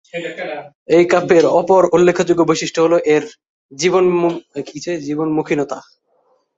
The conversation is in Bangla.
এই কাব্যের অপর উল্লেখযোগ্য বৈশিষ্ট্য হল, এর জীবনমুখিনতা।